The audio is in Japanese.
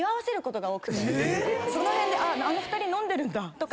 その辺であの２人飲んでるんだとか。